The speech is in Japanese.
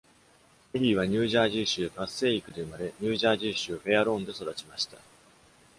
ミリーは、ニュージャージー州パッセーイクで生まれ、ニュージャージー州フェアローンで育ちました。